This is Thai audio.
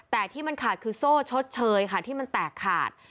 แต่ที่มันขาดคือโซ่ชดเชยค่ะที่มันแตกขาด